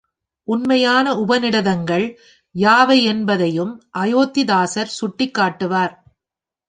உண்மையான உபநிடதங்கள் யாவையென்பதையும் அயோத்திதாசர் சுட்டிக் காட்டுவார்.